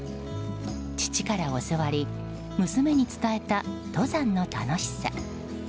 父から教わり娘に伝えた登山の楽しさ。